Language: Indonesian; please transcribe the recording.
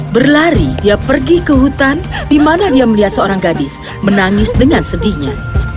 berlari dia pergi ke hutan di mana dia melihat seorang gadis menangis dengan sedihnya